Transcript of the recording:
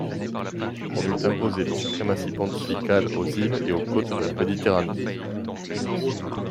On eût imposé la suprématie pontificale aux îles et aux côtes de la Méditerranée.